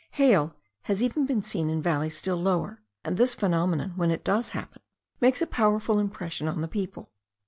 Hail has even been seen in valleys still lower; and this phenomenon, when it does happen, makes a powerful impression on the people.